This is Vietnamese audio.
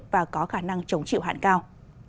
và có khả năng chống chịu hạn cao